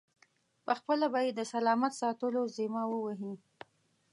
پخپله به یې د سلامت ساتلو ذمه و وهي.